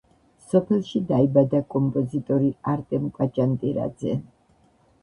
სოფელში დაიბადა კომპოზიტორი არტემ კვაჭანტირაძე.